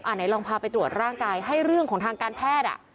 ไหนลองพาไปตรวจร่างกายให้เรื่องของทางการแพทย์